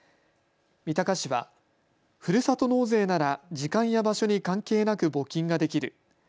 三鷹市はふるさと納税なら時間や場所に関係なく募金ができる。